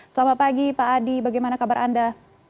selamat pagi pak adi bagaimana kabar anda